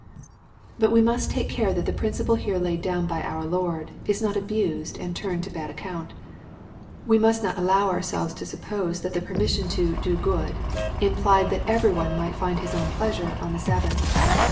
But we must take care that the principle here laid down by our Lord, is not abused and turned to bad account. We must not allow ourselves to suppose that the per mission to " do good," implied that every one might find his own pleasure on the Sabbath.